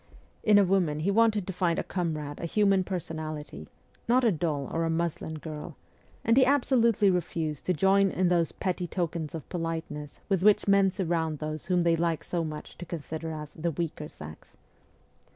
' In a woman he wanted to find a comrade, a human personality not a doll or a ' muslin girl ' and he abso lutely refused to join in those petty tokens of politeness with which men surround those whom they like so much to consider as ' the weaker sex.'